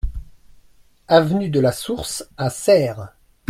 Avenue de la Source à Serres